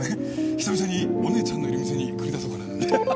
久々にお姉ちゃんのいる店に繰り出そうかななんてハハハ。